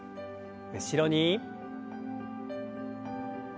後ろに。